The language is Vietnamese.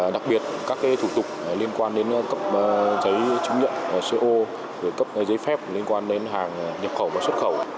đặc biệt các thủ tục liên quan đến cấp giấy chứng nhận co cấp giấy phép liên quan đến hàng nhập khẩu và xuất khẩu